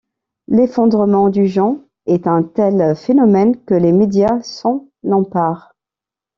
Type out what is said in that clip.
L'effondrement du jean est un tel phénomène que les médias s'en emparent.